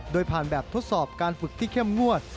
โดยผ่านแบบทดสอบการฝึกที่เข้มงวด